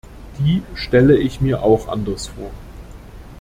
Die stelle ich mir auch anders vor.